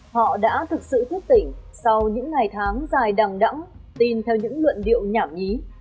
họ đã thực sự thuyết tỉnh sau những ngày tháng dài đằng đẳng tin theo những luận điệu nhảm nhí